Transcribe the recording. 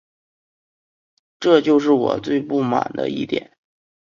这就是我最不满的一点